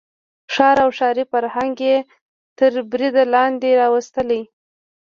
ښار او ښاري فرهنګ یې تر برید لاندې راوستلی.